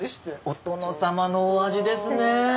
お殿様のお味ですね